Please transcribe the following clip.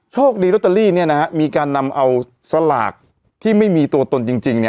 โชคดีเนี้ยนะฮะมีการนำเอาสลากที่ไม่มีตัวตนจริงจริงเนี้ย